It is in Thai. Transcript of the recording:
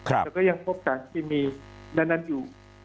แล้วก็ยังพบสารเคมีนั้นอยู่